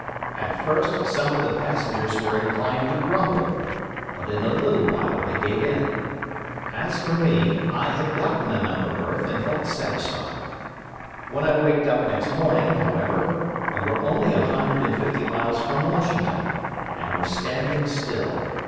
At first some of the passengers were inclined to grumble, but in a little while they gave in. As for me, I had gotten an upper berth and felt satisfied. When I waked up next morning, however, we were only a hundred and fifty miles from Washington, and were standing still.